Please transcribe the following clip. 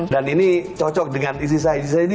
dan ini cocok dengan istisahat istisahat ini